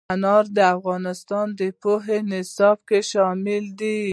انار د افغانستان د پوهنې نصاب کې شامل دي.